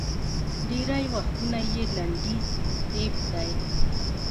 ډېری وختونه یې لنډیز اېب دی